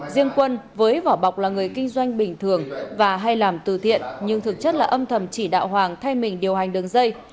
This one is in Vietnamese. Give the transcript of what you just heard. riêng quân với vỏ bọc là người kinh doanh bình thường và hay làm từ thiện nhưng thực chất là âm thầm chỉ đạo hoàng thay mình điều hành đường dây